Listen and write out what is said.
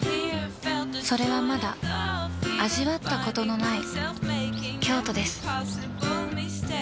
それはまだ味わったことのない